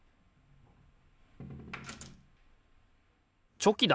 チョキだ！